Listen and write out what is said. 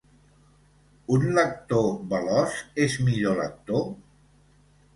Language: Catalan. Un lector veloç és millor lector?